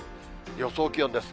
予想気温です。